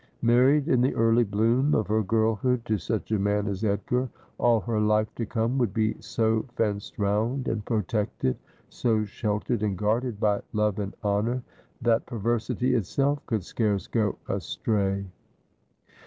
Married in the early bloom of her girlhood to such a man as Edgar, all her life to come would be so fenced round and pro tected, so sheltered and guarded by love and honour, that per versity itself could scarce go astray.